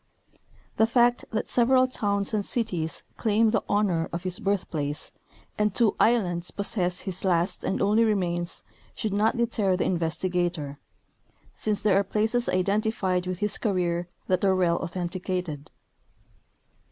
The fact that several towns and cities claim the honor of his birth place and two islands possess his last and only remains should not deter the investigator, since there are places identified with his career that are well authen ticated.